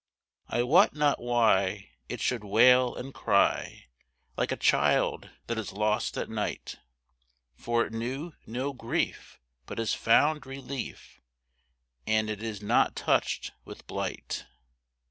I wot not why, it should wail and cry Like a child that is lost at night, For it knew no grief, but has found relief, And it is not touched with blight.